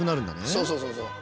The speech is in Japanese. そうそうそうそう。